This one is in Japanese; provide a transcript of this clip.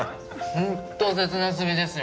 本当切なすぎですよ